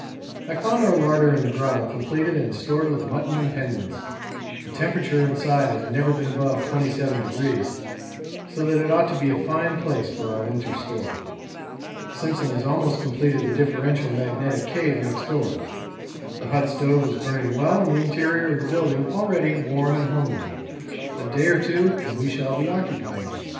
I found our larder in the grotto completed and stored with mutton and penguins the temperature inside has never been above 27°, so that it ought to be a fine place for our winter store. Simpson has almost completed the differential magnetic cave next door. The hut stove was burning well and the interior of the building already warm and homelike a day or two and we shall be occupying it.